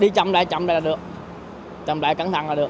đi chậm lại chậm lại là được chậm lại cẩn thận là được